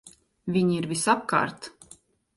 Viņi ir visapkārt!